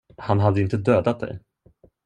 Han hade inte dödat dig.